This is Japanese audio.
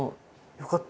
よかった。